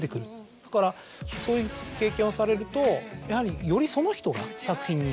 だからそういう経験をされるとやはりよりその人が作品に表れる。